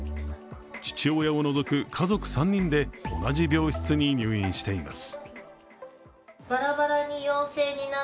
父親を除く家族３人で同じ病室に入院しています。